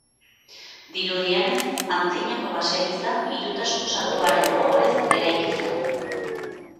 Dirudienez, antzinako baseliza Hirutasun Santuaren ohorez eraiki zen.